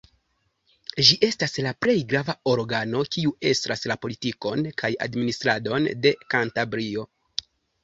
Ĝi estas la plej grava organo, kiu estras la politikon kaj administradon de Kantabrio.